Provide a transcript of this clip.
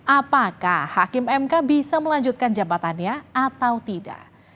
apakah hakim mk bisa melanjutkan jabatannya atau tidak